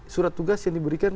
surat tugas yang diberikan